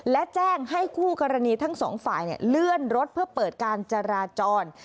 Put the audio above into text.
และแจ้งให้คู่กรณีทั้งสองฝ่ายเลื่อนรถเพื่อเปิดการจราจร